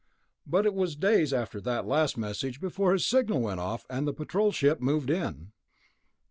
"But it was days after that last message before his signal went off, and the Patrol ship moved in."